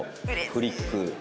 フリップ。